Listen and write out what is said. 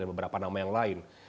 dan beberapa nama yang lain